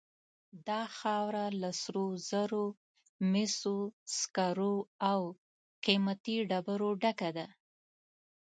دا خاوره له سرو زرو، مسو، سکرو او قیمتي ډبرو ډکه ده.